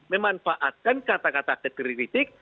memanfaatkan kata kata kritik